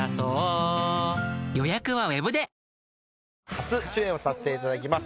初主演をさせていただきます